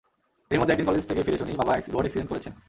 এরই মধ্যে একদিন কলেজ থেকে ফিরে শুনি, বাবা রোড অ্যাক্সিডেন্ট করেছেন।